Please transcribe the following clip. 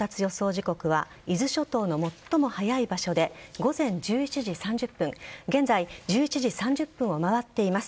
時刻は伊豆諸島の最も早い場所で午前１１時３０分現在、１１時３０分を回っています。